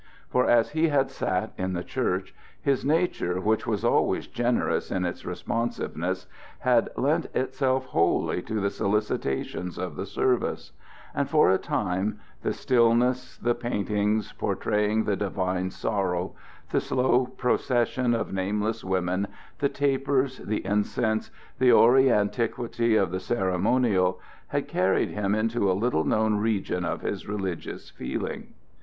For as he had sat in the church his nature, which was always generous in its responsiveness, had lent itself wholly to the solicitations of the service; and for a time the stillness, the paintings portraying the divine sorrow, the slow procession of nameless women, the tapers, the incense, the hoary antiquity of the ceremonial, had carried him into a little known region of his religious feeling.